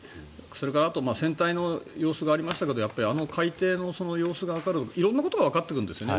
それから船体の様子がありましたがやっぱりあの海底の様子がわかる色んなことがわかってくるんですよね。